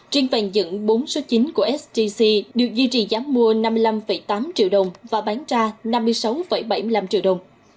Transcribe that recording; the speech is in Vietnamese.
trên vàng dẫn bốn số chín của sgc được duy trì giá mua năm mươi năm tám triệu đồng và bán ra năm mươi sáu bảy mươi năm triệu đồng